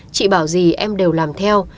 chị bảo gì em đều làm theo